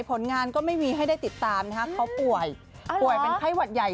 ผลงานก็ไม่มีให้ได้ติดตามนะคะเขาป่วยป่วยเป็นไข้หวัดใหญ่